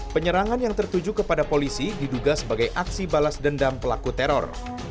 penyerangan yang tertuju kepada polisi diduga sebagai aksi balas dendam pelaku teror